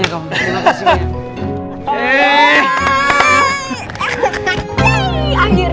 peternakan kita sendiri